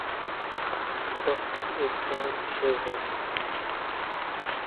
doctor Irfan Shahzad